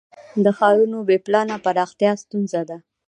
د ښارونو بې پلانه پراختیا ستونزه ده.